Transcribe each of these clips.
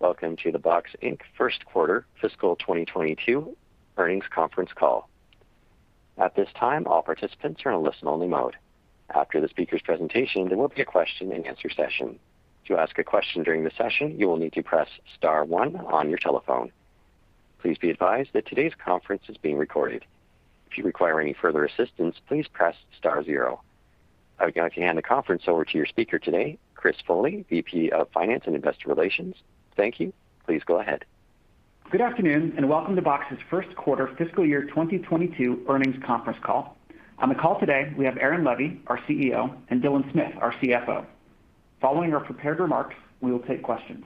Welcome to the Box, Inc. First Quarter Fiscal 2022 Earnings Conference Call. At this time, all participants are in listen only mode. After the speaker's presentation, there will be a question and answer session. To ask a question during the session, you will need to press star one on your telephone. Please be advised that today's conference is being recorded. If you require any further assistance, please press star zero. I would now like to hand the conference over to your speaker today, Christopher Foley, VP of Finance and Investor Relations. Thank you. Please go ahead. Good afternoon, and welcome to Box's First Quarter Fiscal Year 2022 Earnings Conference Call. On the call today, we have Aaron Levie, our CEO, and Dylan Smith, our CFO. Following our prepared remarks, we will take questions.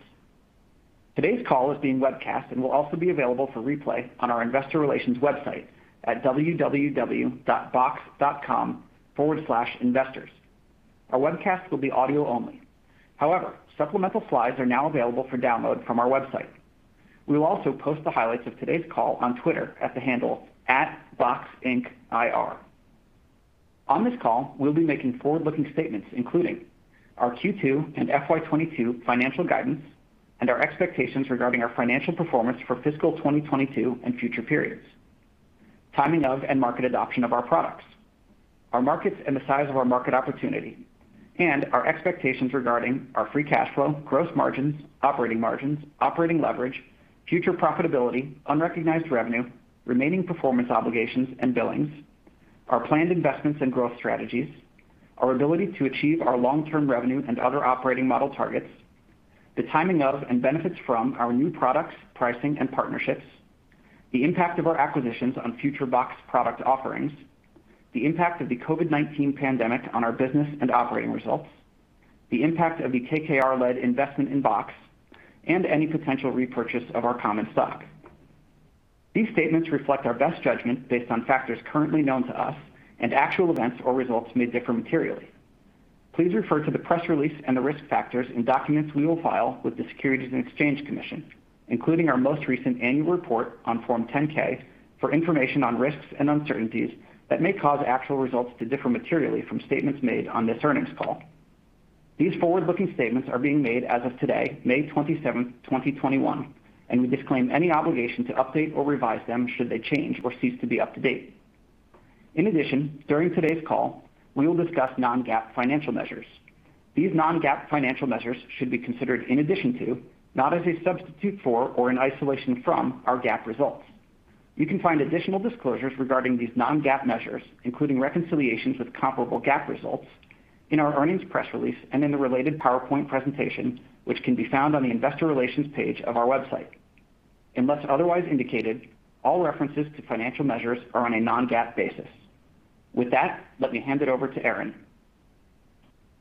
Today's call is being webcast and will also be available for replay on our investor relations website at www.box.com/investors. Our webcast will be audio only. However, supplemental slides are now available for download from our website. We will also post the highlights of today's call on Twitter at the handle @boxincIR. On this call, we'll be making forward-looking statements, including our Q2 and FY 2022 financial guidance and our expectations regarding our financial performance for fiscal 2022 and future periods, timing of and market adoption of our products, our markets and the size of our market opportunity, and our expectations regarding our free cash flow, gross margins, operating margins, operating leverage, future profitability, unrecognized revenue, remaining performance obligations, and billings, our planned investments and growth strategies, our ability to achieve our long-term revenue and other operating model targets, the timing of and benefits from our new products, pricing, and partnerships, the impact of our acquisitions on future Box product offerings, the impact of the COVID-19 pandemic on our business and operating results, the impact of the KKR-led investment in Box, and any potential repurchase of our common stock. These statements reflect our best judgment based on factors currently known to us, and actual events or results may differ materially. Please refer to the press release and the risk factors in documents we will file with the Securities and Exchange Commission, including our most recent annual report on Form 10-K, for information on risks and uncertainties that may cause actual results to differ materially from statements made on this earnings call. These forward-looking statements are being made as of today, May 27th, 2021, and we disclaim any obligation to update or revise them should they change or cease to be up to date. In addition, during today's call, we will discuss non-GAAP financial measures. These non-GAAP financial measures should be considered in addition to, not as a substitute for or in isolation from, our GAAP results. You can find additional disclosures regarding these non-GAAP measures, including reconciliations with comparable GAAP results, in our earnings press release and in the related PowerPoint presentation, which can be found on the investor relations page of our website. Unless otherwise indicated, all references to financial measures are on a non-GAAP basis. With that, let me hand it over to Aaron.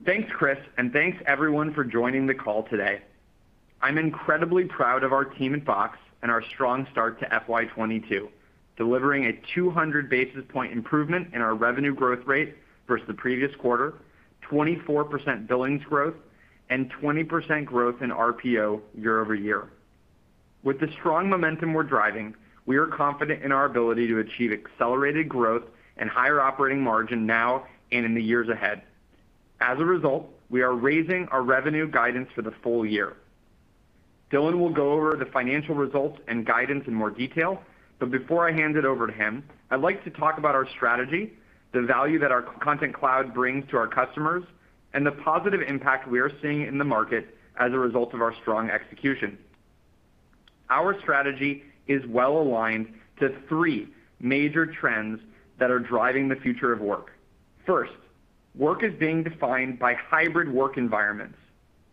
Thanks, Chris, and thanks everyone for joining the call today. I'm incredibly proud of our team at Box and our strong start to FY 2022, delivering a 200 basis point improvement in our revenue growth rate versus the previous quarter, 24% billings growth, and 20% growth in RPO year-over-year. With the strong momentum we're driving, we are confident in our ability to achieve accelerated growth and higher operating margin now and in the years ahead. As a result, we are raising our revenue guidance for the full year. Dylan will go over the financial results and guidance in more detail, but before I hand it over to him, I'd like to talk about our strategy, the value that our Content Cloud brings to our customers, and the positive impact we are seeing in the market as a result of our strong execution. Our strategy is well aligned to three major trends that are driving the future of work. First, work is being defined by hybrid work environments.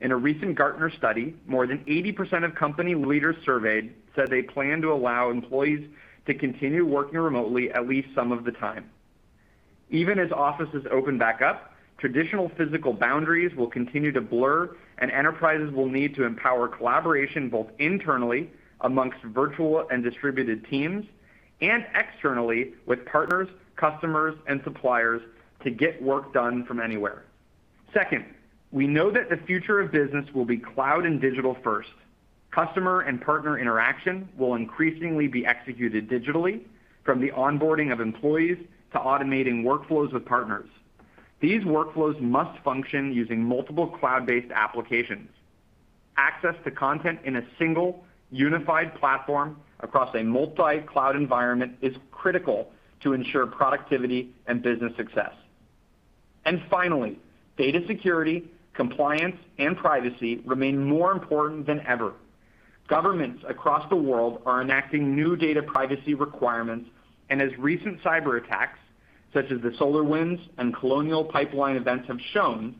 In a recent Gartner study, more than 80% of company leaders surveyed said they plan to allow employees to continue working remotely at least some of the time. Even as offices open back up, traditional physical boundaries will continue to blur, and enterprises will need to empower collaboration both internally amongst virtual and distributed teams, and externally with partners, customers, and suppliers to get work done from anywhere. Second, we know that the future of business will be cloud and digital first. Customer and partner interaction will increasingly be executed digitally, from the onboarding of employees to automating workflows with partners. These workflows must function using multiple cloud-based applications. Access to content in a single, unified platform across a multi-cloud environment is critical to ensure productivity and business success. Finally, data security, compliance, and privacy remain more important than ever. Governments across the world are enacting new data privacy requirements, and as recent cyber attacks, such as the SolarWinds and Colonial Pipeline events have shown,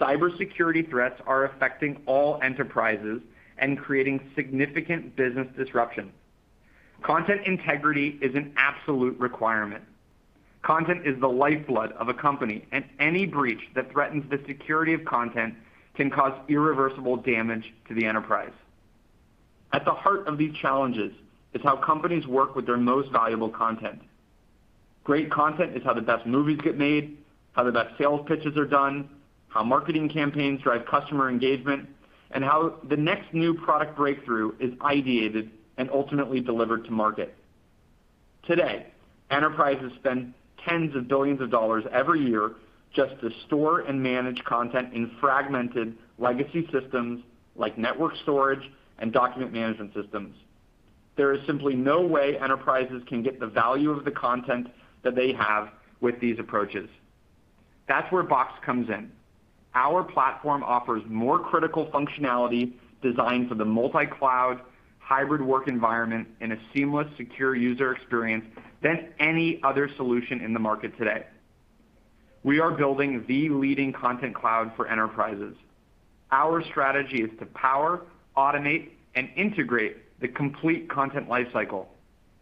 cybersecurity threats are affecting all enterprises and creating significant business disruption. Content integrity is an absolute requirement. Content is the lifeblood of a company, and any breach that threatens the security of content can cause irreversible damage to the enterprise. At the heart of these challenges is how companies work with their most valuable content. Great content is how the best movies get made, how the best sales pitches are done, how marketing campaigns drive customer engagement, and how the next new product breakthrough is ideated and ultimately delivered to market. Today, enterprises spend tens of billions of dollars every year just to store and manage content in fragmented legacy systems like network storage and document management systems. There is simply no way enterprises can get the value of the content that they have with these approaches. That's where Box comes in. Our platform offers more critical functionality designed for the multi-cloud, hybrid work environment, and a seamless, secure user experience than any other solution in the market today. We are building the leading Content Cloud for enterprises. Our strategy is to power, automate, and integrate the complete content life cycle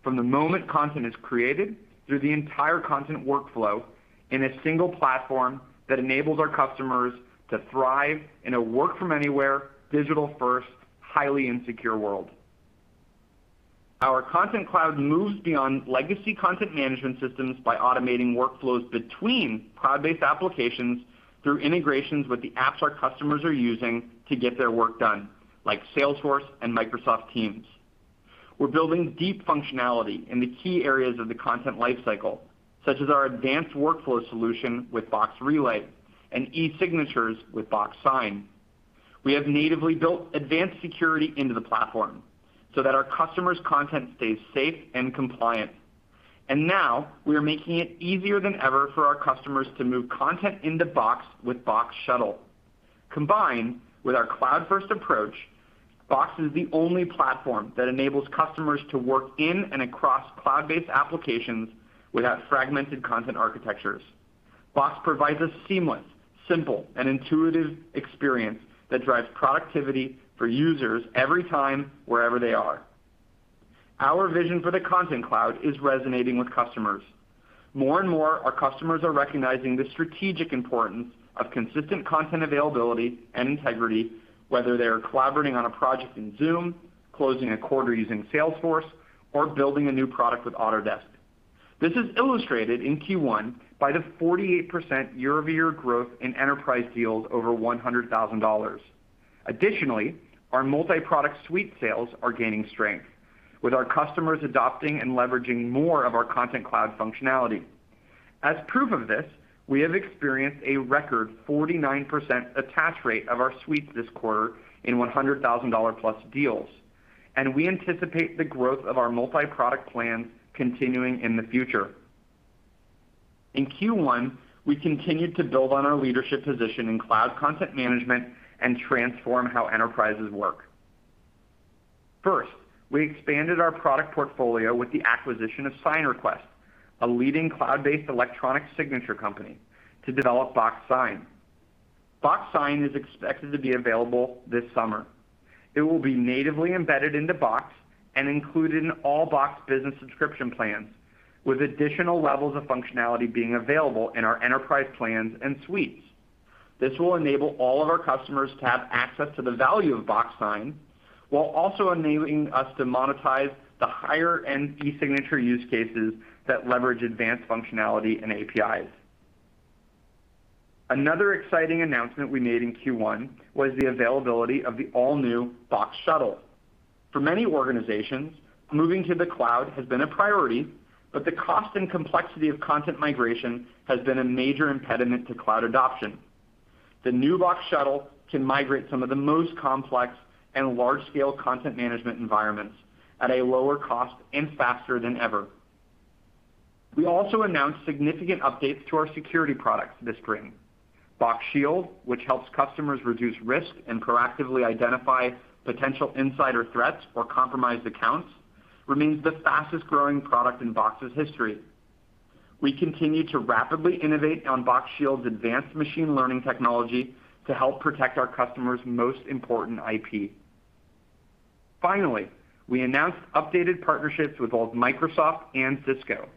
from the moment content is created through the entire content workflow in a single platform that enables our customers to thrive in a work-from-anywhere, digital-first, highly insecure world. Our Content Cloud moves beyond legacy content management systems by automating workflows between cloud-based applications through integrations with the apps our customers are using to get their work done, like Salesforce and Microsoft Teams. We're building deep functionality in the key areas of the content life cycle, such as our advanced workflow solution with Box Relay and e-signatures with Box Sign. We have natively built advanced security into the platform so that our customers' content stays safe and compliant. Now, we are making it easier than ever for our customers to move content into Box with Box Shuttle. Combined with our cloud-first approach, Box is the only platform that enables customers to work in and across cloud-based applications without fragmented content architectures. Box provides a seamless, simple, and intuitive experience that drives productivity for users every time, wherever they are. Our vision for the Content Cloud is resonating with customers. More and more, our customers are recognizing the strategic importance of consistent content availability and integrity, whether they are collaborating on a project in Zoom, closing a quarter using Salesforce, or building a new product with Autodesk. This is illustrated in Q1 by the 48% year-over-year growth in enterprise deals over $100,000. Additionally, our multi-product suite sales are gaining strength, with our customers adopting and leveraging more of our Content Cloud functionality. As proof of this, we have experienced a record 49% attach rate of our suites this quarter in $100,000-plus deals, and we anticipate the growth of our multi-product plan continuing in the future. In Q1, we continued to build on our leadership position in Content Cloud and transform how enterprises work. First, we expanded our product portfolio with the acquisition of SignRequest, a leading cloud-based electronic signature company, to develop Box Sign. Box Sign is expected to be available this summer. It will be natively embedded into Box and included in all Box business subscription plans, with additional levels of functionality being available in our enterprise plans and suites. This will enable all of our customers to have access to the value of Box Sign, while also enabling us to monetize the higher-end e-signature use cases that leverage advanced functionality and APIs. Another exciting announcement we made in Q1 was the availability of the all-new Box Shuttle. For many organizations, moving to the cloud has been a priority, but the cost and complexity of content migration has been a major impediment to cloud adoption. The new Box Shuttle can migrate some of the most complex and large-scale content management environments at a lower cost and faster than ever. We also announced significant updates to our security products this spring. Box Shield, which helps customers reduce risk and proactively identify potential insider threats or compromised accounts, remains the fastest-growing product in Box's history. We continue to rapidly innovate on Box Shield's advanced machine learning technology to help protect our customers' most important IP. Finally, we announced updated partnerships with both Microsoft and Cisco.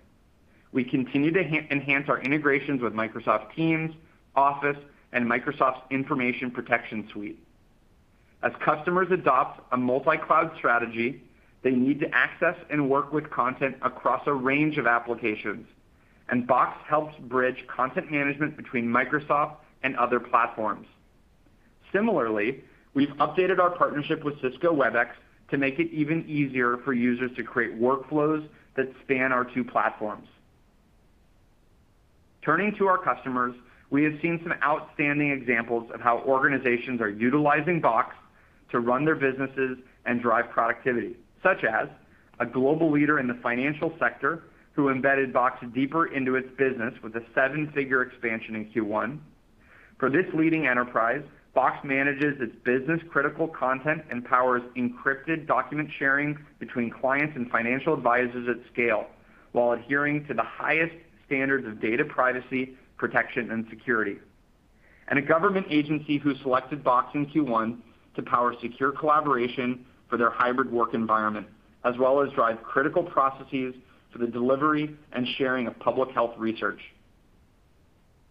We continue to enhance our integrations with Microsoft Teams, Office, and Microsoft's Information Protection suite. As customers adopt a multi-cloud strategy, they need to access and work with content across a range of applications, and Box helps bridge content management between Microsoft and other platforms. Similarly, we've updated our partnership with Cisco Webex to make it even easier for users to create workflows that span our two platforms. Turning to our customers, we have seen some outstanding examples of how organizations are utilizing Box to run their businesses and drive productivity, such as a global leader in the financial sector who embedded Box deeper into its business with a seven-figure expansion in Q1. For this leading enterprise, Box manages its business-critical content and powers encrypted document sharing between clients and financial advisors at scale, while adhering to the highest standards of data privacy, protection, and security. A government agency who selected Box in Q1 to power secure collaboration for their hybrid work environment, as well as drive critical processes for the delivery and sharing of public health research.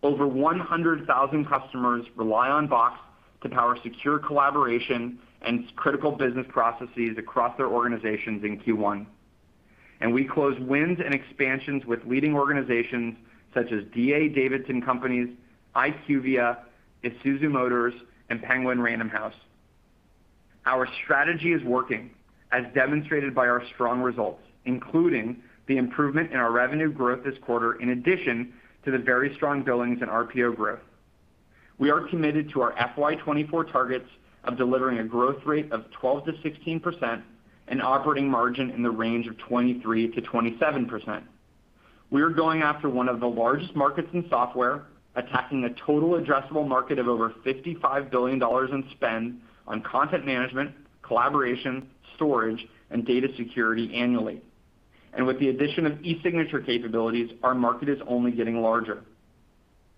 Over 100,000 customers rely on Box to power secure collaboration and critical business processes across their organizations in Q1, and we closed wins and expansions with leading organizations such as D.A. Davidson Companies, IQVIA, Isuzu Motors, and Penguin Random House. Our strategy is working as demonstrated by our strong results, including the improvement in our revenue growth this quarter, in addition to the very strong billings and RPO growth. We are committed to our FY 2024 targets of delivering a growth rate of 12%-16% and operating margin in the range of 23%-27%. We are going after one of the largest markets in software, attacking a total addressable market of over $55 billion in spend on content management, collaboration, storage, and data security annually. With the addition of e-signature capabilities, our market is only getting larger.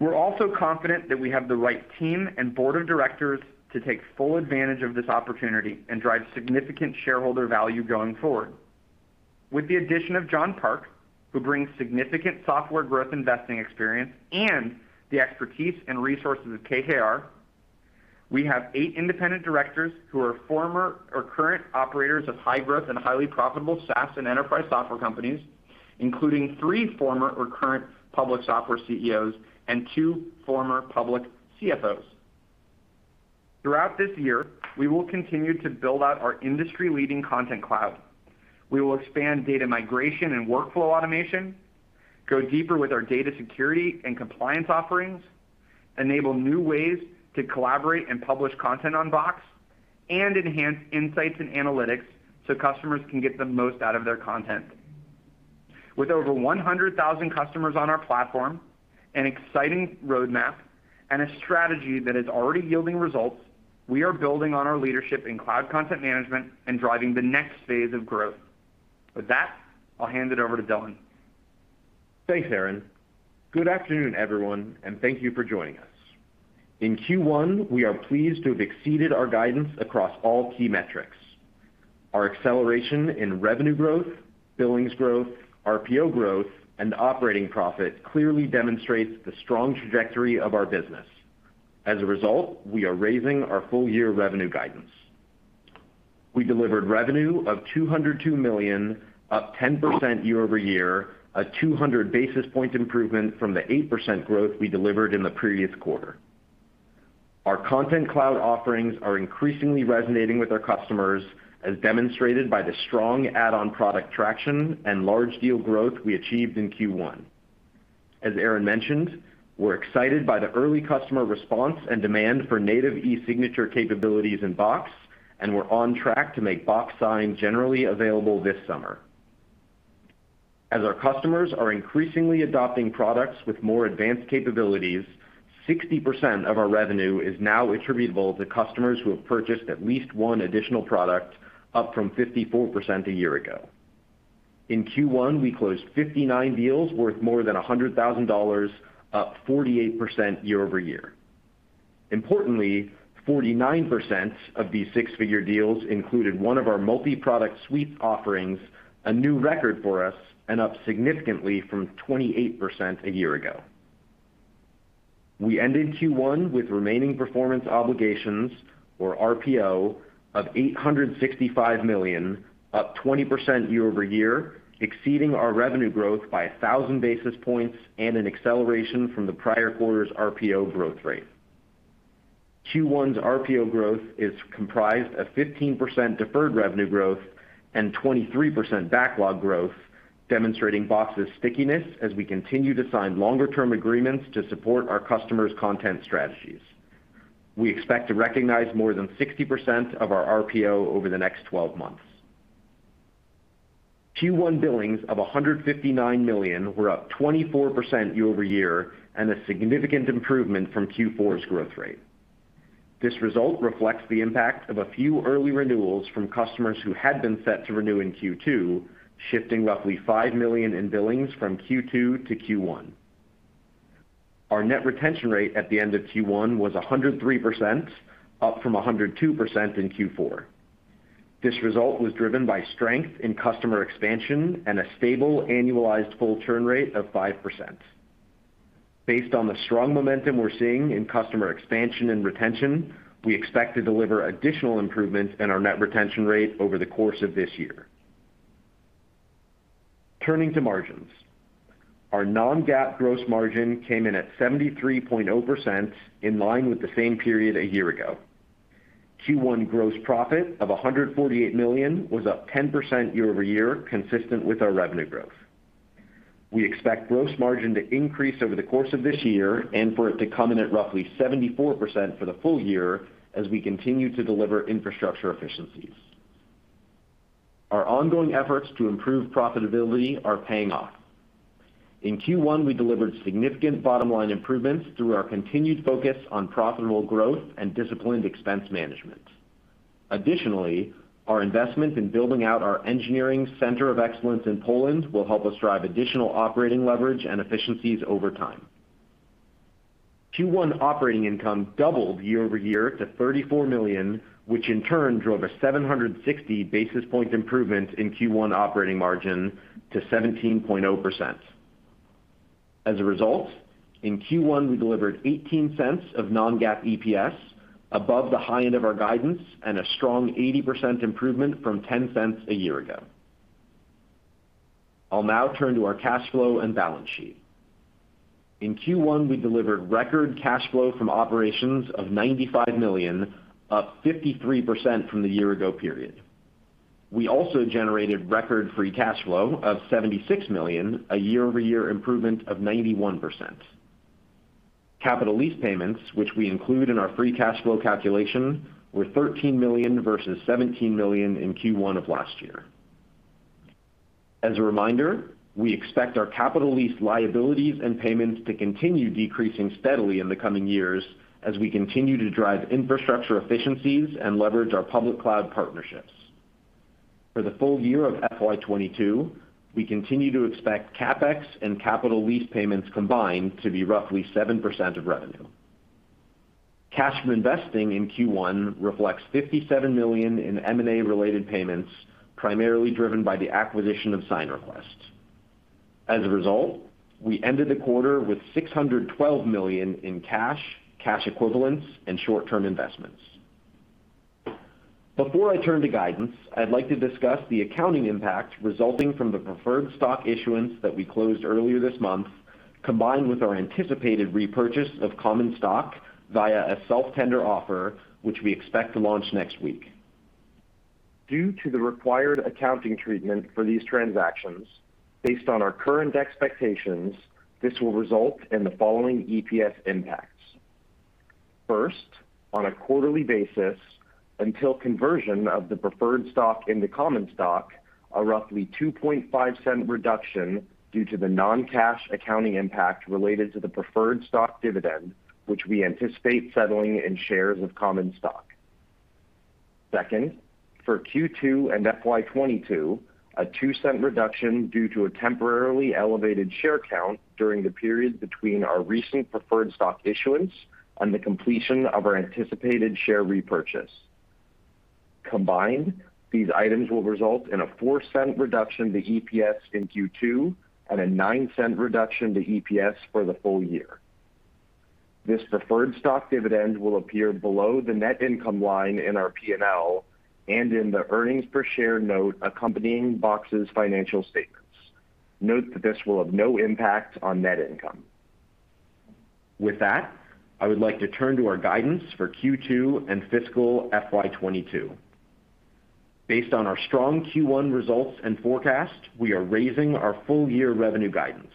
We're also confident that we have the right team and board of directors to take full advantage of this opportunity and drive significant shareholder value going forward. With the addition of John Park, who brings significant software growth investing experience and the expertise and resources of KKR, we have eight independent directors who are former or current operators of high growth and highly profitable SaaS and enterprise software companies, including three former or current public software CEOs and two former public CFOs. Throughout this year, we will continue to build out our industry-leading Content Cloud. We will expand data migration and workflow automation, go deeper with our data security and compliance offerings, enable new ways to collaborate and publish content on Box, and enhance insights and analytics so customers can get the most out of their content. With over 100,000 customers on our platform, an exciting roadmap, and a strategy that is already yielding results, we are building on our leadership in cloud content management and driving the next phase of growth. With that, I'll hand it over to Dylan. Thanks, Aaron. Good afternoon, everyone, and thank you for joining us. In Q1, we are pleased to have exceeded our guidance across all key metrics. Our acceleration in revenue growth, billings growth, RPO growth, and operating profit clearly demonstrates the strong trajectory of our business. As a result, we are raising our full year revenue guidance. We delivered revenue of $202 million, up 10% year-over-year, a 200 basis point improvement from the 8% growth we delivered in the previous quarter. Our Content Cloud offerings are increasingly resonating with our customers, as demonstrated by the strong add-on product traction and large deal growth we achieved in Q1. As Aaron mentioned, we're excited by the early customer response and demand for native e-signature capabilities in Box, and we're on track to make Box Sign generally available this summer. As our customers are increasingly adopting products with more advanced capabilities, 60% of our revenue is now attributable to customers who have purchased at least one additional product, up from 54% a year ago. In Q1, we closed 59 deals worth more than $100,000, up 48% year-over-year. Importantly, 49% of these six-figure deals included one of our multi-product suite offerings, a new record for us, and up significantly from 28% a year ago. We ended Q1 with remaining performance obligations, or RPO, of $865 million, up 20% year-over-year, exceeding our revenue growth by 1,000 basis points and an acceleration from the prior quarter's RPO growth rate. Q1's RPO growth is comprised of 15% deferred revenue growth and 23% backlog growth, demonstrating Box's stickiness as we continue to sign longer term agreements to support our customers' content strategies. We expect to recognize more than 60% of our RPO over the next 12 months. Q1 billings of $159 million were up 24% year-over-year and a significant improvement from Q4's growth rate. This result reflects the impact of a few early renewals from customers who had been set to renew in Q2, shifting roughly $5 million in billings from Q2 to Q1. Our net retention rate at the end of Q1 was 103%, up from 102% in Q4. This result was driven by strength in customer expansion and a stable annualized churn rate of 5%. Based on the strong momentum we're seeing in customer expansion and retention, we expect to deliver additional improvements in our net retention rate over the course of this year. Turning to margins. Our non-GAAP gross margin came in at 73.0%, in line with the same period a year ago. Q1 gross profit of $148 million was up 10% year-over-year, consistent with our revenue growth. We expect gross margin to increase over the course of this year and for it to come in at roughly 74% for the full year as we continue to deliver infrastructure efficiencies. Our ongoing efforts to improve profitability are paying off. In Q1, we delivered significant bottom-line improvements through our continued focus on profitable growth and disciplined expense management. Additionally, our investment in building out our engineering center of excellence in Poland will help us drive additional operating leverage and efficiencies over time. Q1 operating income doubled year-over-year to $34 million, which in turn drove a 760 basis point improvement in Q1 operating margin to 17.0%. As a result, in Q1, we delivered $0.18 of non-GAAP EPS above the high end of our guidance and a strong 80% improvement from $0.10 a year ago. I'll now turn to our cash flow and balance sheet. In Q1, we delivered record cash flow from operations of $95 million, up 53% from the year ago period. We also generated record free cash flow of $76 million, a year-over-year improvement of 91%. Capital lease payments, which we include in our free cash flow calculation, were $13 million versus $17 million in Q1 of last year. As a reminder, we expect our capital lease liabilities and payments to continue decreasing steadily in the coming years as we continue to drive infrastructure efficiencies and leverage our public cloud partnerships. For the full year of FY 2022, we continue to expect CapEx and capital lease payments combined to be roughly 7% of revenue. Cash from investing in Q1 reflects $57 million in M&A related payments, primarily driven by the acquisition of SignRequest. As a result, we ended the quarter with $612 million in cash equivalents, and short-term investments. Before I turn to guidance, I'd like to discuss the accounting impact resulting from the preferred stock issuance that we closed earlier this month, combined with our anticipated repurchase of common stock via a self-tender offer, which we expect to launch next week. Due to the required accounting treatment for these transactions, based on our current expectations, this will result in the following EPS impacts. First, on a quarterly basis, until conversion of the preferred stock into common stock, a roughly $0.025 reduction due to the non-cash accounting impact related to the preferred stock dividend, which we anticipate settling in shares of common stock. Second, for Q2 and FY 2022, a $0.02 reduction due to a temporarily elevated share count during the period between our recent preferred stock issuance and the completion of our anticipated share repurchase. Combined, these items will result in a $0.04 reduction to EPS in Q2 and a $0.09 reduction to EPS for the full year. This preferred stock dividend will appear below the net income line in our P&L and in the earnings per share note accompanying Box's financial statements. Note that this will have no impact on net income. With that, I would like to turn to our guidance for Q2 and fiscal FY 2022. Based on our strong Q1 results and forecast, we are raising our full year revenue guidance.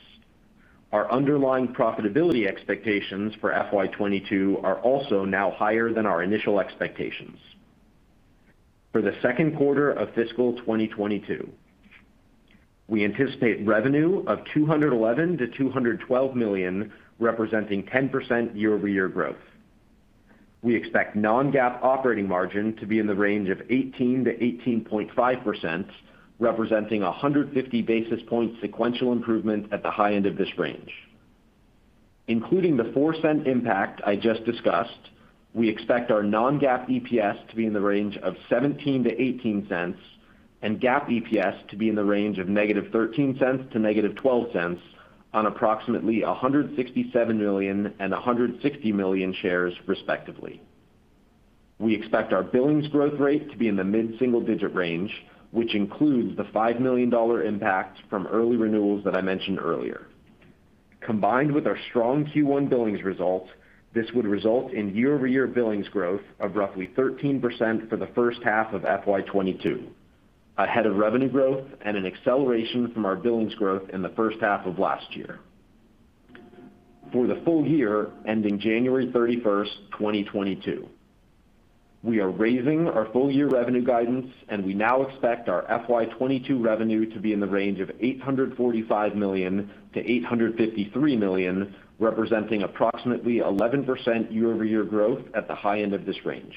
Our underlying profitability expectations for FY 2022 are also now higher than our initial expectations. For the second quarter of fiscal 2022, we anticipate revenue of $211 million-$212 million, representing 10% year-over-year growth. We expect non-GAAP operating margin to be in the range of 18%-18.5%, representing 150 basis point sequential improvement at the high end of this range. Including the $0.04 impact I just discussed, we expect our non-GAAP EPS to be in the range of $0.17-$0.18, and GAAP EPS to be in the range of negative $0.13 to negative $0.12 on approximately 167 million and 160 million shares, respectively. We expect our billings growth rate to be in the mid-single digit range, which includes the $5 million impact from early renewals that I mentioned earlier. Combined with our strong Q1 billings results, this would result in year-over-year billings growth of roughly 13% for the first half of FY22, ahead of revenue growth and an acceleration from our billings growth in the first half of last year. For the full year ending January 31st, 2022, we are raising our full year revenue guidance, and we now expect our FY22 revenue to be in the range of $845 million-$853 million, representing approximately 11% year-over-year growth at the high end of this range.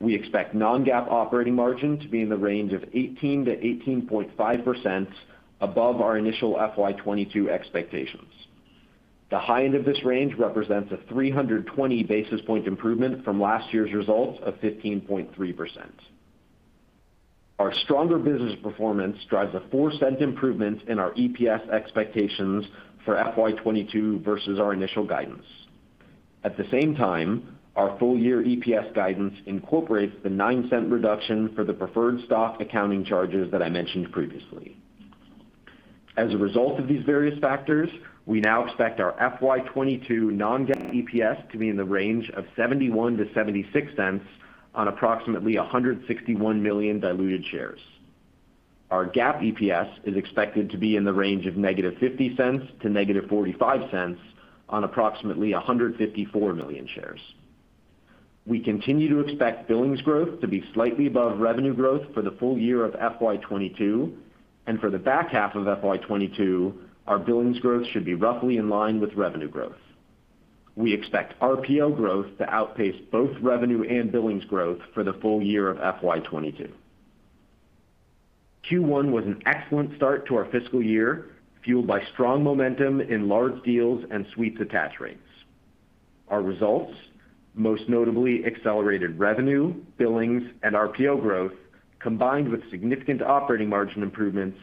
We expect non-GAAP operating margin to be in the range of 18%-18.5% above our initial FY22 expectations. The high end of this range represents a 320 basis point improvement from last year's results of 15.3%. Our stronger business performance drives a $0.04 improvement in our EPS expectations for FY22 versus our initial guidance. At the same time, our full year EPS guidance incorporates the $0.09 reduction for the preferred stock accounting charges that I mentioned previously. As a result of these various factors, we now expect our FY 2022 non-GAAP EPS to be in the range of $0.71-$0.76 on approximately 161 million diluted shares. Our GAAP EPS is expected to be in the range of negative $0.50 to negative $0.45 on approximately 154 million shares. We continue to expect billings growth to be slightly above revenue growth for the full year of FY 2022. For the back half of FY 2022, our billings growth should be roughly in line with revenue growth. We expect RPO growth to outpace both revenue and billings growth for the full year of FY 2022. Q1 was an excellent start to our fiscal year, fueled by strong momentum in large deals and suites attach rates. Our results, most notably accelerated revenue, billings, and RPO growth, combined with significant operating margin improvements,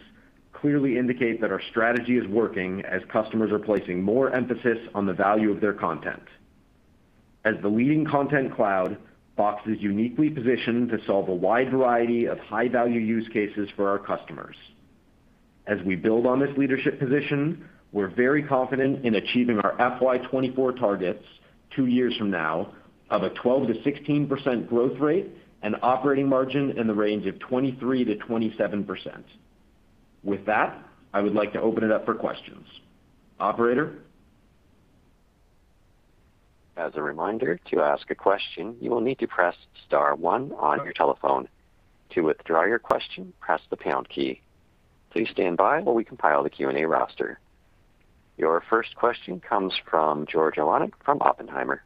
clearly indicate that our strategy is working as customers are placing more emphasis on the value of their content. As the leading Content Cloud, Box is uniquely positioned to solve a wide variety of high-value use cases for our customers. As we build on this leadership position, we're very confident in achieving our FY 2024 targets two years from now of a 12%-16% growth rate and operating margin in the range of 23%-27%. With that, I would like to open it up for questions. Operator? As a reminder, to ask a question, you will need to press star one on your telephone. To withdraw your question, press the pound key. Please stand by while we compile the Q&A roster. Your first question comes from George Iwanyc from Oppenheimer.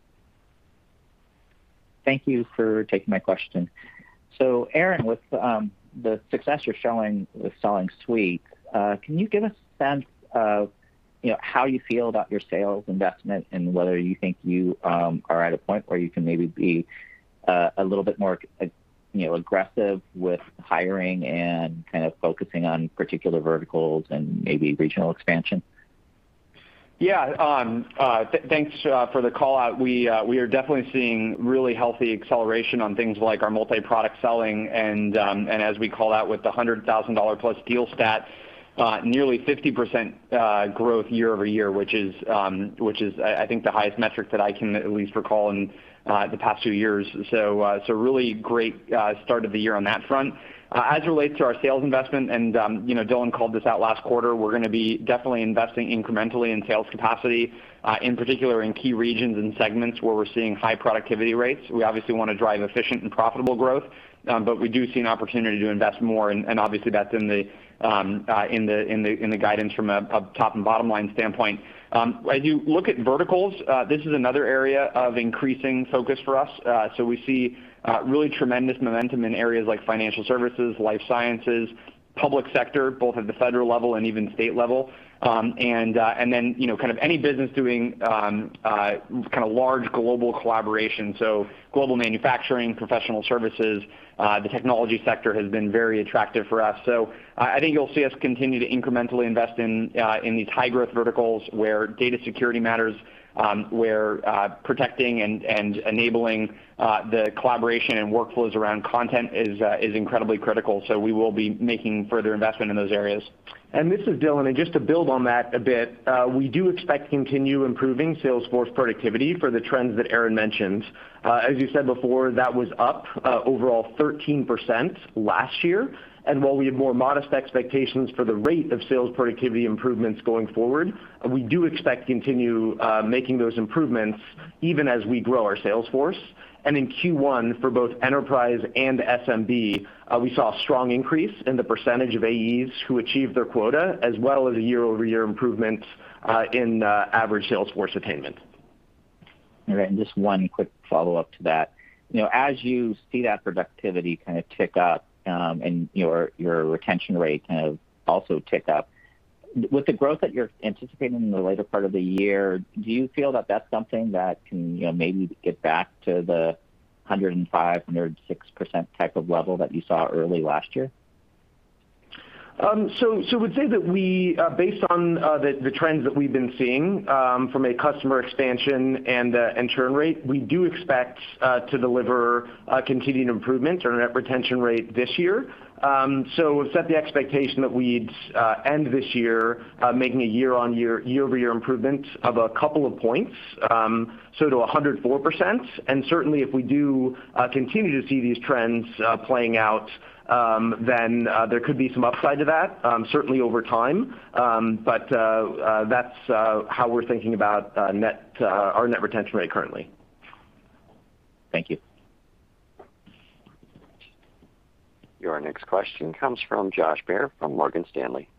Thank you for taking my question. Aaron, with the success you're showing with selling Suite, can you give a sense of how you feel about your sales investment and whether you think you are at a point where you can maybe be a little bit more aggressive with hiring and kind of focusing on particular verticals and maybe regional expansion? Yeah. Thanks for the call-out. We are definitely seeing really healthy acceleration on things like our multi-product selling and, as we call out with the $100,000-plus deal stat, nearly 50% growth year-over-year, which is, I think, the highest metric that I can at least recall in the past few years. Really great start of the year on that front. As it relates to our sales investment, and Dylan called this out last quarter, we're going to be definitely investing incrementally in sales capacity, in particular in key regions and segments where we're seeing high productivity rates. We obviously want to drive efficient and profitable growth, but we do see an opportunity to invest more, and obviously, that's in the guidance from a top and bottom line standpoint. As you look at verticals, this is another area of increasing focus for us. We see really tremendous momentum in areas like financial services, life sciences, public sector, both at the federal level and even state level. Any business doing large global collaboration, so global manufacturing, professional services, the technology sector has been very attractive for us. I think you'll see us continue to incrementally invest in these high-growth verticals where data security matters, where protecting and enabling the collaboration and workflows around content is incredibly critical. We will be making further investment in those areas. This is Dylan, and just to build on that a bit, we do expect to continue improving sales force productivity for the trends that Aaron mentioned. As you said before, that was up, overall, 13% last year. While we have more modest expectations for the rate of sales productivity improvements going forward, we do expect to continue making those improvements even as we grow our sales force. In Q1, for both enterprise and SMB, we saw a strong increase in the percentage of AEs who achieved their quota, as well as a year-over-year improvement in average sales force attainment. Just one quick follow-up to that. As you see that productivity kind of tick up, and your retention rate kind of also tick up, with the growth that you're anticipating in the later part of the year, do you feel that that's something that can maybe get back to the 105%, 106% type of level that you saw early last year? Would say that based on the trends that we've been seeing from a customer expansion and churn rate, we do expect to deliver a continued improvement on our net retention rate this year. We've set the expectation that we'd end this year making a year-over-year improvement of a couple of points, so to 104%. Certainly, if we do continue to see these trends playing out, then there could be some upside to that, certainly over time. That's how we're thinking about our net retention rate currently. Thank you. Your next question comes from Josh Baer from Morgan Stanley.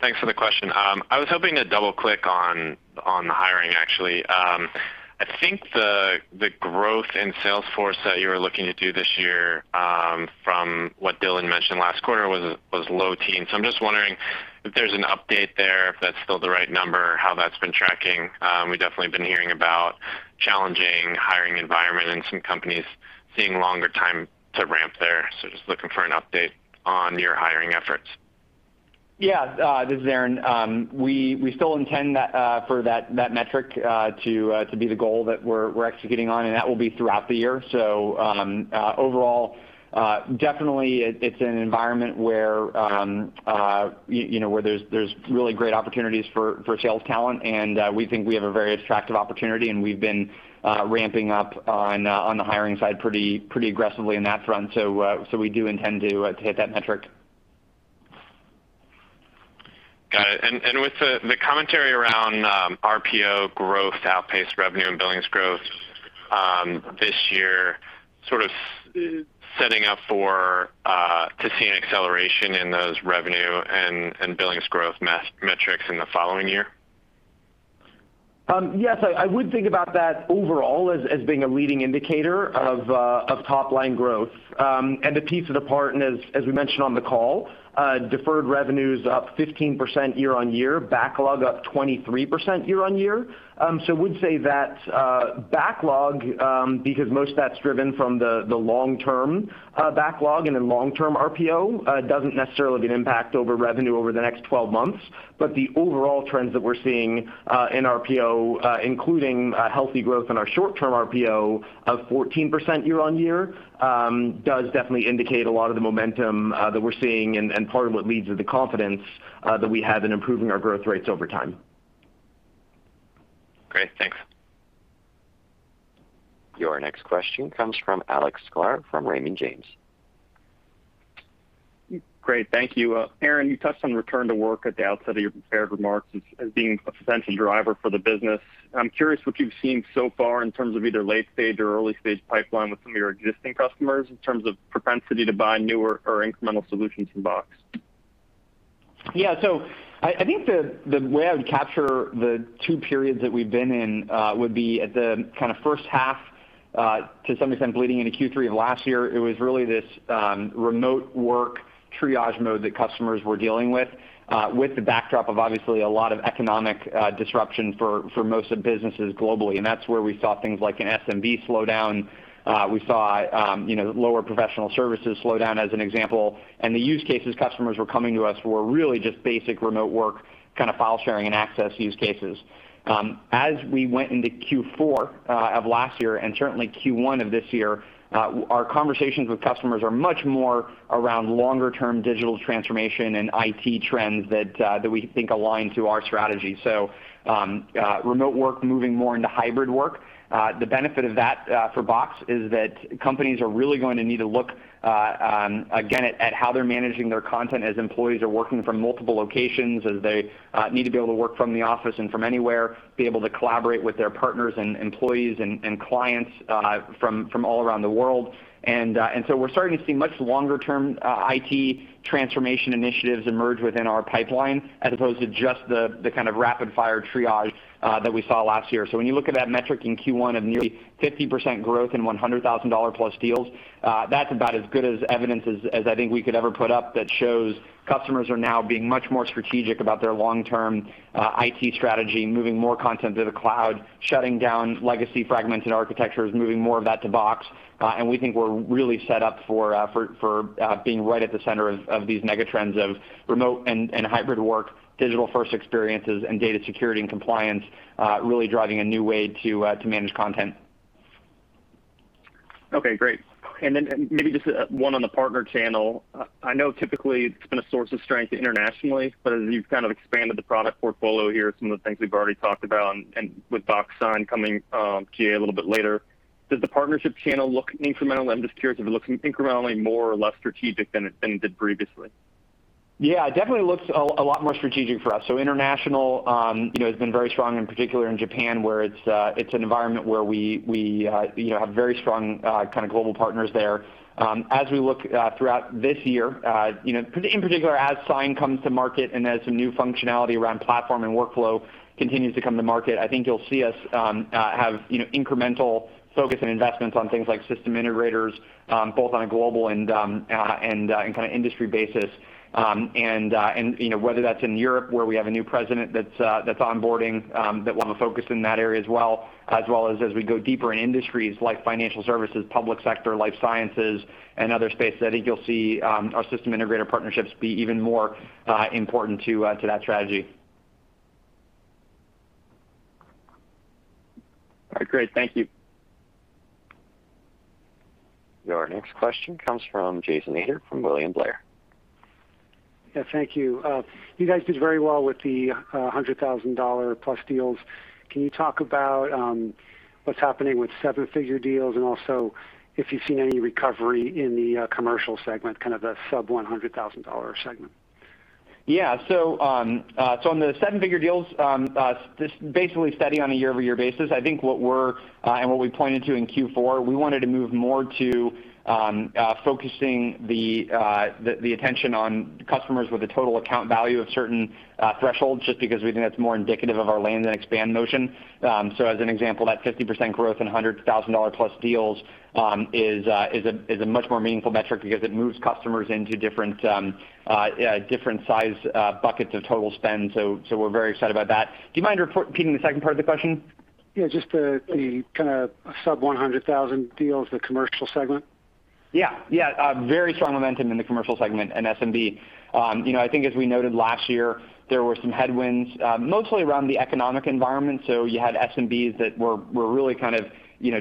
Thanks for the question. I was hoping to double-click on the hiring, actually. I think the growth in Salesforce that you were looking to do this year, from what Dylan mentioned last quarter, was low teens. I'm just wondering if there's an update there, if that's still the right number, how that's been tracking. We've definitely been hearing about challenging hiring environment and some companies seeing longer time to ramp there. Just looking for an update on your hiring efforts. Yeah. This is Aaron. We still intend for that metric to be the goal that we're executing on. That will be throughout the year. Overall, definitely it's an environment where there's really great opportunities for sales talent and we think we have a very attractive opportunity, and we've been ramping up on the hiring side pretty aggressively on that front. We do intend to hit that metric. Got it. With the commentary around RPO growth outpace revenue and billings growth this year, sort of setting up to see an acceleration in those revenue and billings growth metrics in the following year? Yes, I would think about that overall as being a leading indicator of top-line growth. To tease it apart, as we mentioned on the call, deferred revenues up 15% year on year, backlog up 23% year on year. Would say that backlog, because most of that's driven from the long-term backlog and in long-term RPO, doesn't necessarily get impact over revenue over the next 12 months. The overall trends that we're seeing in RPO, including healthy growth in our short-term RPO of 14% year-on-year, does definitely indicate a lot of the momentum that we're seeing and part of what leads to the confidence that we have in improving our growth rates over time. Great. Thanks. Your next question comes from Alexander Sklar from Raymond James. Great. Thank you. Aaron, you touched on return to work at the outset of your prepared remarks as being a potential driver for the business. I'm curious what you've seen so far in terms of either late stage or early stage pipeline with some of your existing customers, in terms of propensity to buy newer or incremental solutions in Box. Yeah. I think the way I would capture the two periods that we've been in would be at the first half, to some extent bleeding into Q3 of last year, it was really this remote work triage mode that customers were dealing with the backdrop of obviously a lot of economic disruption for most of businesses globally, and that's where we saw things like an SMB slowdown. We saw lower professional services slowdown as an example, the use cases customers were coming to us were really just basic remote work, file sharing, and access use cases. As we went into Q4 of last year, and certainly Q1 of this year, our conversations with customers are much more around longer term digital transformation and IT trends that we think align to our strategy. Remote work moving more into hybrid work. The benefit of that for Box is that companies are really going to need to look again at how they're managing their content as employees are working from multiple locations, as they need to be able to work from the office and from anywhere, be able to collaborate with their partners and employees and clients from all around the world. We're starting to see much longer term IT transformation initiatives emerge within our pipeline as opposed to just the rapid fire triage that we saw last year. So when you look at that metric in Q1 of nearly 50% growth in $100,000-plus deals, that's about as good as evidence as I think we could ever put up that shows customers are now being much more strategic about their long-term IT strategy, moving more content to the Content Cloud, shutting down legacy fragmented architectures, moving more of that to Box. We think we're really set up for being right at the center of these mega trends of remote and hybrid work, digital-first experiences, and data security and compliance, really driving a new way to manage content. Okay, great. Then maybe just one on the partner channel. I know typically it's been a source of strength internationally, but as you've expanded the product portfolio here, some of the things we've already talked about, and with Box Sign coming GA a little bit later, does the partnership channel look incremental? I'm just curious if it looks incrementally more or less strategic than it did previously. Yeah, it definitely looks a lot more strategic for us. International has been very strong, in particular in Japan, where it's an environment where we have very strong global partners there. As we look throughout this year, in particular as Sign comes to market and as some new functionality around platform and workflow continues to come to market, I think you'll see us have incremental focus and investments on things like system integrators, both on a global and industry basis. Whether that's in Europe, where we have a new president that's onboarding, that we'll have a focus in that area as well, as well as as we go deeper in industries like financial services, public sector, life sciences, and other spaces. I think you'll see our system integrator partnerships be even more important to that strategy. All right. Great. Thank you. Your next question comes from Jason Ader from William Blair. Yeah, thank you. You guys did very well with the $100,000-plus deals. Can you talk about what's happening with seven-figure deals and also if you've seen any recovery in the commercial segment, the sub-$100,000 segment? Yeah. On the seven-figure deals, just basically steady on a year-over-year basis. I think what we're, and what we pointed to in Q4, we wanted to move more to focusing the attention on customers with a total account value of certain thresholds, just because we think that's more indicative of our land and expand motion. As an example, that 50% growth in $100,000-plus deals is a much more meaningful metric because it moves customers into different size buckets of total spend, so we're very excited about that. Do you mind repeating the second part of the question? Yeah, just the sub $100,000 deals, the commercial segment. Yeah. Very strong momentum in the commercial segment and SMB. I think as we noted last year, there were some headwinds, mostly around the economic environment. You had SMBs that were really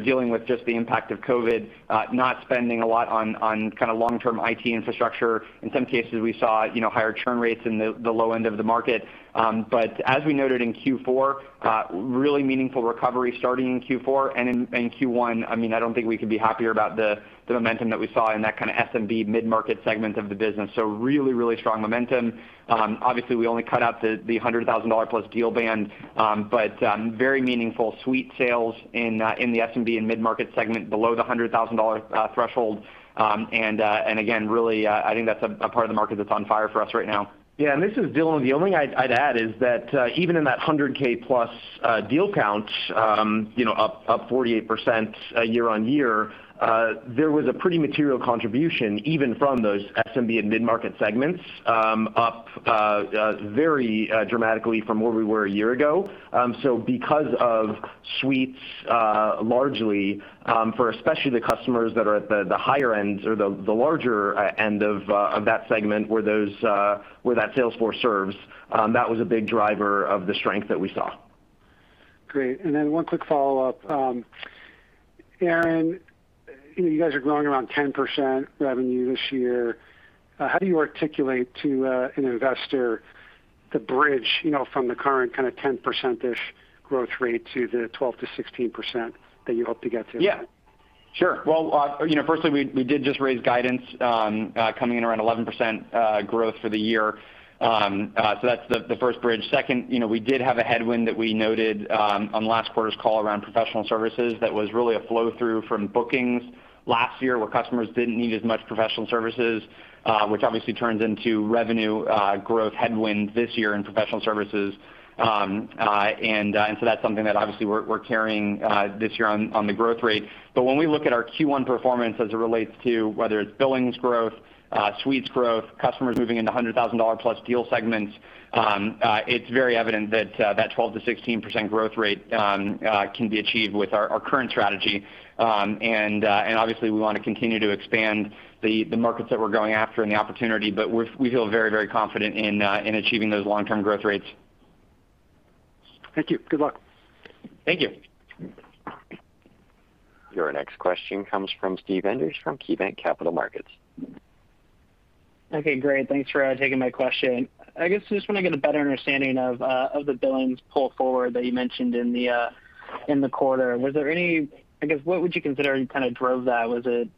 dealing with just the impact of COVID, not spending a lot on long-term IT infrastructure. In some cases, we saw higher churn rates in the low end of the market. As we noted in Q4, really meaningful recovery starting in Q4 and in Q1, I don't think we could be happier about the momentum that we saw in that SMB mid-market segment of the business. Really strong momentum. Obviously we only cut out the $100,000-plus deal band, but very meaningful suite sales in the SMB and mid-market segment below the $100,000 threshold. Again, really, I think that's a part of the market that's on fire for us right now. This is Dylan. The only thing I'd add is that even in that 100K-plus deal count, up 48% year-on-year, there was a pretty material contribution even from those SMB and mid-market segments, up very dramatically from where we were a year ago. Because of suites, largely, for especially the customers that are at the higher end or the larger end of that segment where that sales force serves, that was a big driver of the strength that we saw. Great, then one quick follow-up. Aaron, you guys are growing around 10% revenue this year. How do you articulate to an investor the bridge from the current kind of 10%-ish growth rate to the 12%-16% that you hope to get to? Firstly, we did just raise guidance coming in around 11% growth for the year. That's the first bridge. Second, we did have a headwind that we noted on last quarter's call around professional services that was really a flow-through from bookings last year where customers didn't need as much professional services, which obviously turns into revenue growth headwind this year in professional services. That's something that obviously we're carrying this year on the growth rate. When we look at our Q1 performance as it relates to whether it's billings growth, suites growth, customers moving into $100,000-plus deal segments, it's very evident that 12%-16% growth rate can be achieved with our current strategy. Obviously we want to continue to expand the markets that we're going after and the opportunity, but we feel very confident in achieving those long-term growth rates. Thank you. Good luck. Thank you. Your next question comes from Steve Enders from KeyBanc Capital Markets. Okay, great. Thanks for taking my question. I guess I just want to get a better understanding of the billings pull forward that you mentioned in the quarter. What would you consider kind of drove that? Was it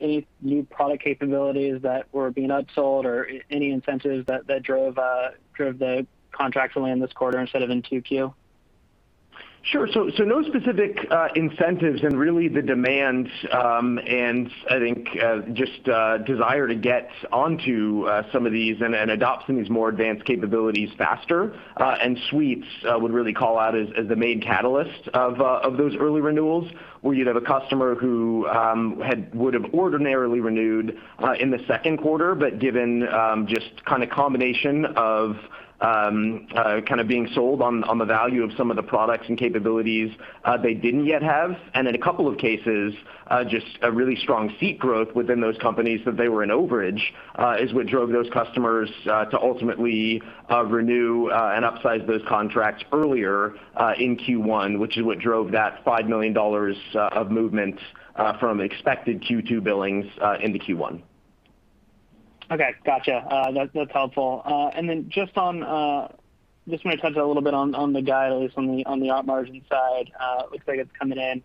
any new product capabilities that were being upsold or any incentives that drove the contract to land this quarter instead of in Q2? Sure. No specific incentives and really the demand, and I think just desire to get onto some of these and adopt some of these more advanced capabilities faster, and suites I would really call out as the main catalyst of those early renewals, where you'd have a customer who would've ordinarily renewed in the second quarter, but given just kind of combination of being sold on the value of some of the products and capabilities they didn't yet have, and in a couple of cases, just a really strong seat growth within those companies that they were in overage is what drove those customers to ultimately renew and upsize those contracts earlier in Q1, which is what drove that $5 million of movement from expected Q2 billings into Q1. Okay. Got you. That's helpful. Then just want to touch a little bit on the guidance on the op margin side. Looks like it's coming in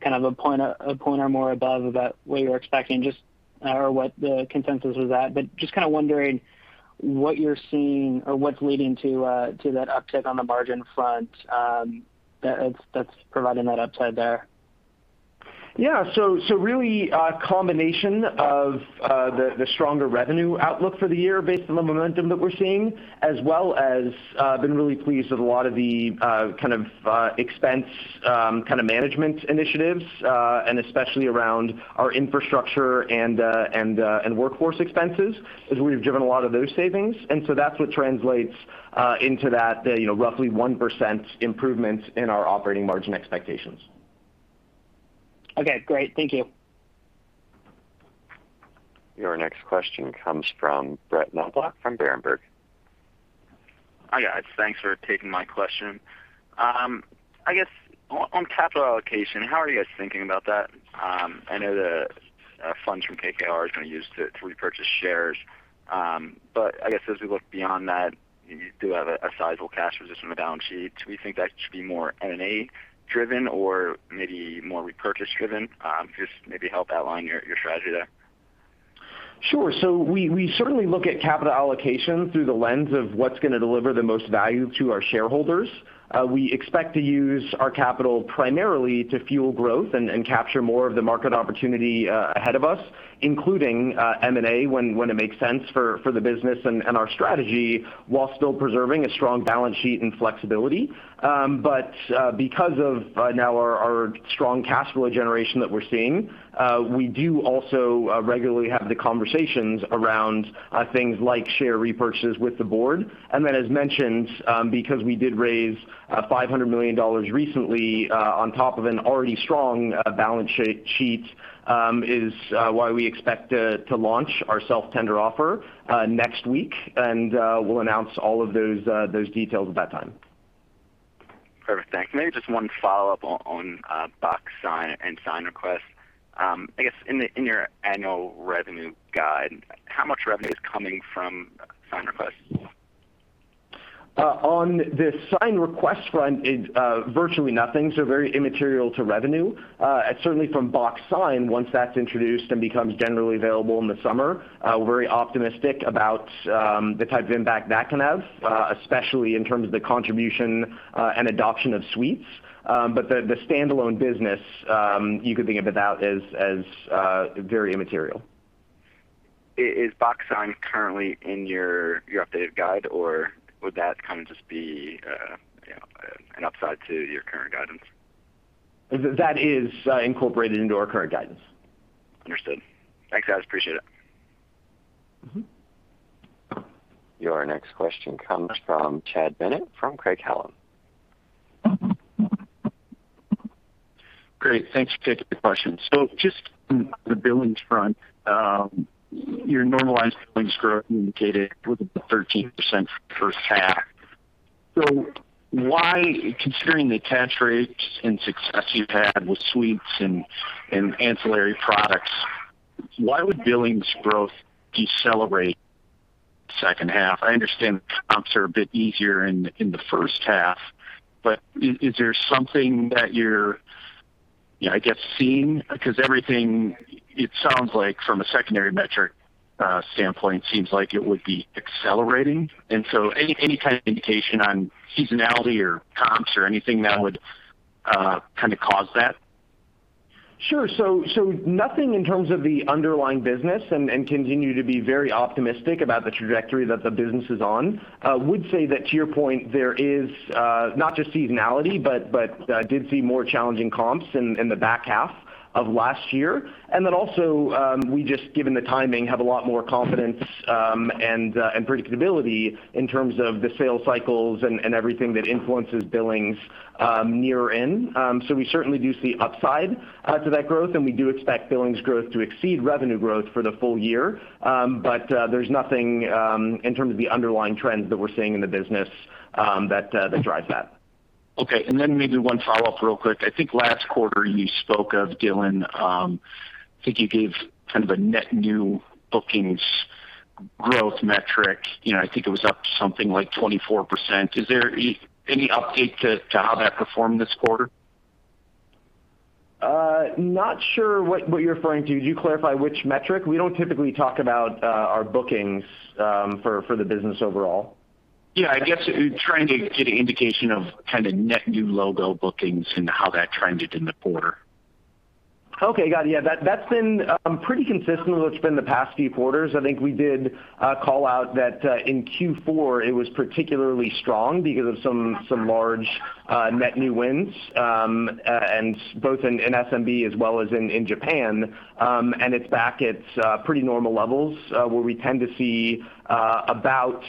kind of a point or more above what you were expecting, or what the consensus was at, just kind of wondering what you're seeing or what's leading to that uptick on the margin front that's providing that upside there. Yeah. Really a combination of the stronger revenue outlook for the year based on the momentum that we're seeing, as well as been really pleased with a lot of the expense management initiatives, and especially around our infrastructure and workforce expenses, as we've driven a lot of those savings. That's what translates into that roughly 1% improvement in our operating margin expectations. Okay, great. Thank you. Your next question comes from Brent Thill from Jefferies. Hi, guys. Thanks for taking my question. I guess on capital allocation, how are you guys thinking about that? I know the funds from KKR are going to be used to repurchase shares, but I guess as we look beyond that, you do have a sizable cash position on the balance sheet. Do we think that should be more M&A driven or maybe more repurchase driven? Just maybe help outline your strategy there. We certainly look at capital allocation through the lens of what's going to deliver the most value to our shareholders. We expect to use our capital primarily to fuel growth and capture more of the market opportunity ahead of us, including M&A when it makes sense for the business and our strategy while still preserving a strong balance sheet and flexibility. Because of now our strong cash flow generation that we're seeing, we do also regularly have the conversations around things like share repurchases with the board. As mentioned, because we did raise $500 million recently on top of an already strong balance sheet is why we expect to launch our self-tender offer next week, and we'll announce all of those details at that time. Perfect. Can I have just one follow-up on Box Sign and SignRequest? I guess in your annual revenue guide, how much revenue is coming from SignRequest? On the SignRequest front, virtually nothing, so very immaterial to revenue. Certainly from Box Sign, once that's introduced and becomes generally available in the summer, very optimistic about the type of impact that can have, especially in terms of the contribution and adoption of suites. The standalone business you can think about as very immaterial. Is Box Sign currently in your updated guidance, or would that kind of just be an upside to your current guidance? That is incorporated into our current guidance. Understood. Thanks, guys. Appreciate it. Your next question comes from Chad Bennett from Craig-Hallum. Great. Thanks for taking the question. Just on the billings front, your normalized billings growth indicated was 13% for the first half. Considering the attach rates and success you've had with suites and ancillary products, why would billings growth decelerate second half? I understand comps are a bit easier in the first half, is there something that you're seeing? Everything, it sounds like from a secondary metric standpoint, seems like it would be accelerating, any kind of indication on seasonality or comps or anything that would kind of cause that? Sure. Nothing in terms of the underlying business, and continue to be very optimistic about the trajectory that the business is on. Would say that, to your point, there is not just seasonality, but did see more challenging comps in the back half of last year. Also, we just, given the timing, have a lot more confidence and predictability in terms of the sales cycles and everything that influences billings near in. We certainly do see upside to that growth, and we do expect billings growth to exceed revenue growth for the full year. There's nothing in terms of the underlying trends that we're seeing in the business that drives that. Okay, maybe one follow-up real quick. I think last quarter you spoke of, Dylan, I think you gave kind of a net new bookings growth metric. I think it was up something like 24%. Is there any update to how that performed this quarter? Not sure what you're referring to. Could you clarify which metric? We don't typically talk about our bookings for the business overall. Yeah, I guess trying to get an indication of kind of net new logo bookings and how that trended in the quarter. Okay, got it. Yeah, that's been pretty consistent with what's been the past few quarters. I think we did call out that in Q4 it was particularly strong because of some large net new wins, both in SMB as well as in Japan. It's back at pretty normal levels, where we tend to see about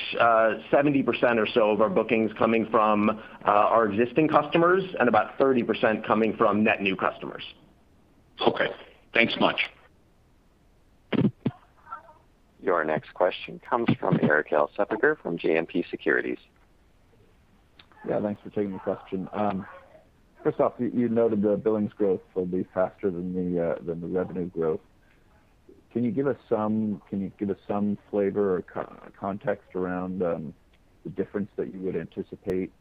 70% or so of our bookings coming from our existing customers and about 30% coming from net new customers. Okay. Thanks much. Your next question comes from Erik Suppiger from JMP Securities. Yeah, thanks for taking the question. First off, you noted the billings growth will be faster than the revenue growth. Can you give us some flavor or context around the difference that you would anticipate,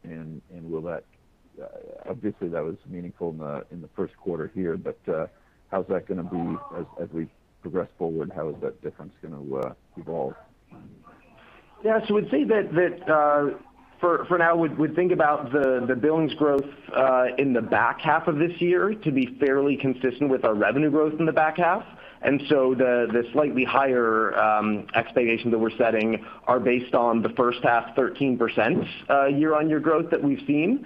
obviously, that was meaningful in the first quarter here, but how's that going to be as we progress forward? How is that difference going to evolve? Yeah. Would say that for now, we'd think about the billings growth in the back half of this year to be fairly consistent with our revenue growth in the back half. The slightly higher expectations that we're setting are based on the first half 13% year-on-year growth that we've seen.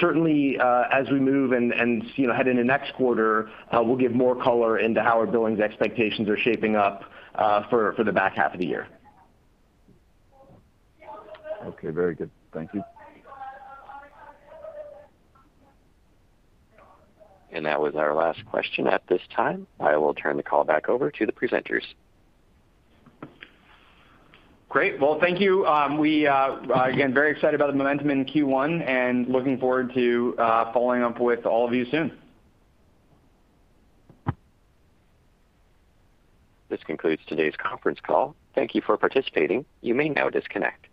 Certainly, as we move and head into next quarter, we'll give more color into how our billings expectations are shaping up for the back half of the year. Okay. Very good. Thank you. That was our last question at this time. I will turn the call back over to the presenters. Great. Well, thank you. We, again, very excited about the momentum in Q1 and looking forward to following up with all of you soon. This concludes today's conference call. Thank you for participating. You may now disconnect.